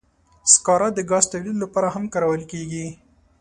سکاره د ګاز تولید لپاره هم کارول کېږي.